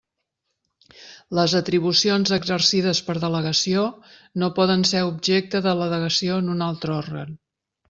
Les atribucions exercides per delegació no poden ser objecte de delegació en un altre òrgan.